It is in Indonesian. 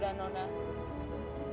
dua duanya enggak benar kan